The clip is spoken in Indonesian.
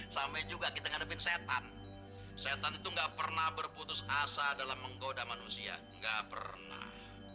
sampai juga kita ngadepin setan setan itu gak pernah berputus asa dalam menggoda manusia gak pernah